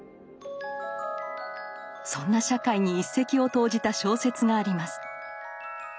そんな社会に一石を投じた小説があります。